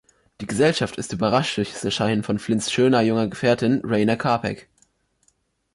Die Gesellschaft ist überrascht durch das Erscheinen von Flint‘s schöner junger Gefährtin Rayna Kapec.